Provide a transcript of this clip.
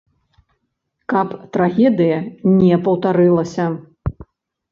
Каб трагедыя не паўтарылася.